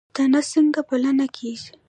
تنه څنګه پلنه کیږي؟